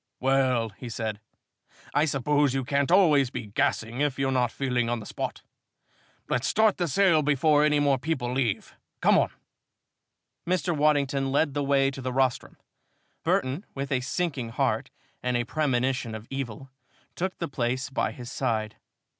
"Well," he said, "I suppose you can't always be gassing if you're not feeling on the spot. Let's start the sale before any more people leave. Come on." Mr. Waddington led the way to the rostrum. Burton, with a sinking heart, and a premonition of evil, took the place by his side.